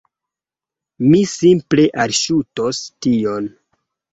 Mi simple alŝutos tion